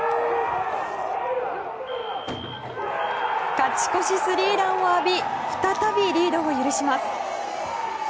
勝ち越しスリーランを浴び再びリードを許します。